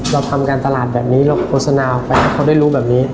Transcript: เราทำการตลาดแบบนี้เราโฆษณาออกไปให้เขาได้รู้แบบนี้